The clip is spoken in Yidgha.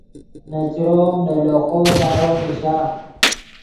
نے چروم نے لیخو سارو نیشا